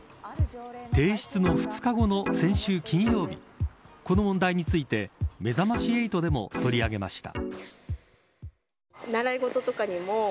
提出の２日後の先週金曜日この問題についてめざまし８でも取り上げました。